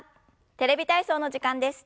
「テレビ体操」の時間です。